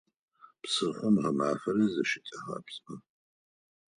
Псыхъом гъэмафэрэ зыщытэгъэпскӏы.